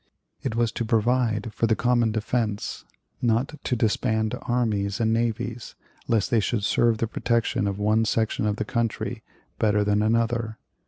It was to provide for the common defense; not to disband armies and navies, lest they should serve the protection of one section of the country better than another.